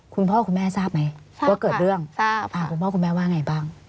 คุณพ่อคุณแม่ทราบไหมทราบค่ะว่าเกิดเรื่องทราบอ่าคุณพ่อคุณแม่ว่าไงบ้าง